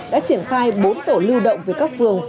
đã triển khai bốn tổ lưu động về các phường